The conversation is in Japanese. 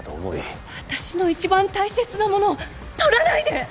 私の一番大切なものを取らないで！